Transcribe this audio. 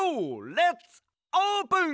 レッツオープン！